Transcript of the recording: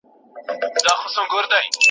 د جنګ خبري خوږې وي خو ساعت یې تریخ وي.